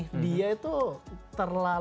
jadi agak butuh penyesuaian lah